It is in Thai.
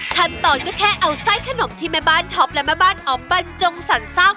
ทำต่อก็แค่เอาไส้ขนมที่ไม้บ้านท็อปและไม้บ้านอ๋อมบั่นจงสั่นสร้าง